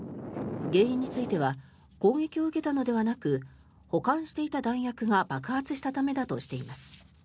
原因については攻撃を受けたのではなく保管していた弾薬が爆破したためだとしています。